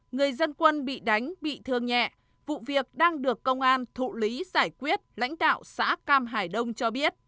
người dân quân bị đánh bị thương nhẹ vụ việc đang được công an thụ lý giải quyết lãnh đạo xã cam hải đông cho biết